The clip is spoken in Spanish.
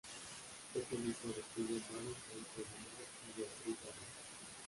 Es el hijo de Julio Mario Santo Domingo y Beatriz Dávila.